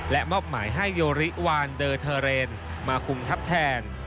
และมอบหมายให้โยริวานเดอร์เทอร์เรนมาคุมทัพแทน